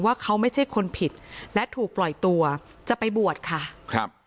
ว่าเขาไม่ใช่คนผิดและถูกปล่อยตัวจะไปบวชค่ะครับ